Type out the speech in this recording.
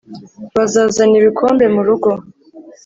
bazazana ibikombe murugo